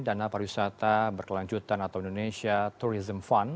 dana pariwisata berkelanjutan atau indonesia tourism fund